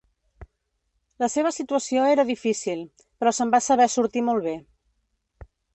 La seva situació era difícil, però se'n va saber sortir molt bé.